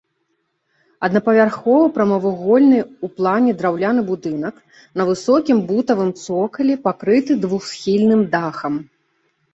Аднапавярховы прамавугольны ў плане драўляны будынак на высокім бутавым цокалі пакрыты двухсхільным дахам.